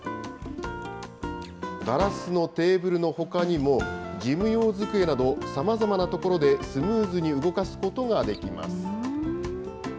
ガラスのテーブルのほかにも、事務用机など、さまざまなところでスムーズに動かすことができます。